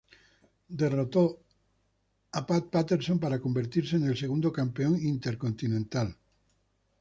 Derrotó a Pat Patterson para convertirse en el segundo Campeón Intercontinental.